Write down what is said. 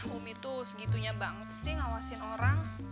umi tuh segitunya banget sih ngawasin orang